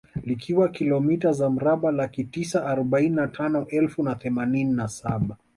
Likiwa kilomita za mraba Laki tisa arobaini na tano elfu na themanini na saba